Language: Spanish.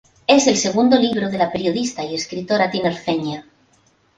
Es el segundo libro de la periodista y escritora tinerfeña.